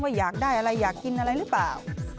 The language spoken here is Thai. อยากได้อะไรอยากกินอะไรหรือเปล่า